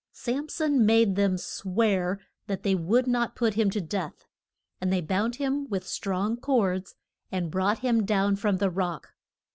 Sam son made them swear that they would not put him to death, and they bound him with strong cords and brought him down from the rock.